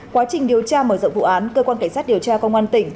quá trình điều tra mở rộng vụ án cơ quan cảnh sát điều tra công an tỉnh